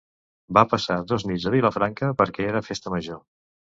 Va passar dos nits a Vilafranca perquè era festa major